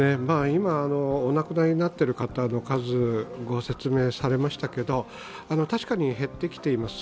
今、お亡くなりになってる方の数をご説明されましたけど確かに減ってきています。